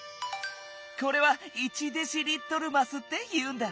これは「１デシリットルます」っていうんだ。